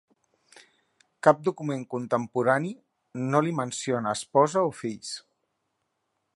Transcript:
Cap document contemporani no li menciona esposa o fills.